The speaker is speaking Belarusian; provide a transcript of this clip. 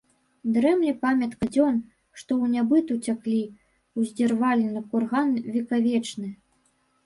Дрэмле памятка дзен, што ў нябыт уцяклі, — ўдзірванелы курган векавечны.